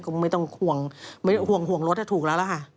ก็ไม่ต้องห่วงรถถูกแล้วล่ะค่ะ